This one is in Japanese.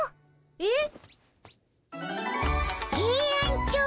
えっ？